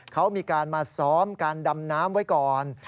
เขามีการมาซ้อมการดำน้ำไว้ก่อน